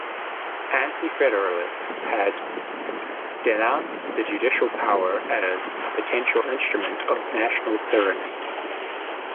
Anti-Federalists had denounced the judicial power as a potential instrument of national tyranny.